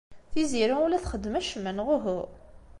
Tiziri ur la txeddem acemma neɣ uhu?